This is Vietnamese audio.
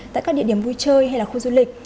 tại các địa điểm vui chơi hay là khu du lịch